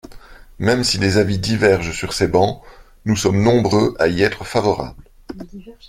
Même si les avis divergent sur ces bancs, nous sommes nombreux à y être favorables.